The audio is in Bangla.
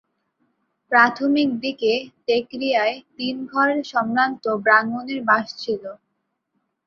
প্রাথমিক দিকে তেঘরীয়ায় তিন ঘর সম্ভ্রান্ত ব্রাহ্মণের বাস ছিল।